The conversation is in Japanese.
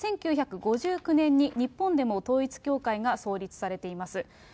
１９５９年に日本でも統一教会が創立されています。